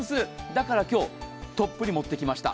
だから今日、トップに持ってきました。